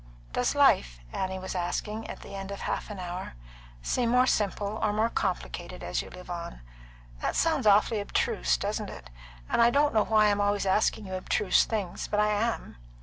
"Does life," Annie was asking, at the end of half an hour, "seem more simple or more complicated as you live on? That sounds awfully abstruse, doesn't it? And I don't know why I'm always asking you abstruse things, but I am."